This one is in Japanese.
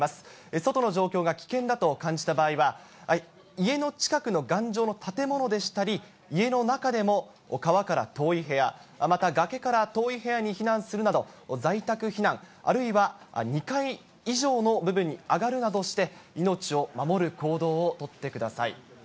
外の状況が危険だと感じた場合は、家の近くの頑丈な建物でしたり、家の中でも川から遠い部屋、また崖から遠い部屋に避難するなど、在宅避難、あるいは２階以上の部分に上がるなどして、命を守る行動を取ってください。